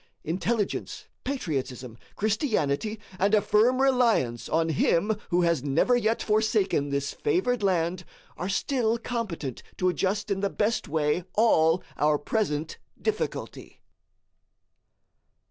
Intelligence, patriotism, Christianity, and a firm reliance on him who has never yet forsaken this favored land, are still competent to adjust in the best way all our present difficulty.